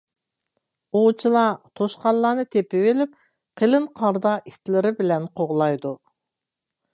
ئوۋچىلار توشقانلارنى تېپىۋېلىپ قېلىن قاردا ئىتلىرى بىلەن قوغلايدۇ.